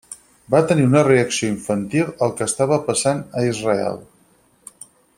Va tenir una reacció infantil al que estava passant a Israel.